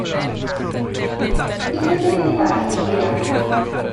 Gobeithio y byddi di'n well yn fuan.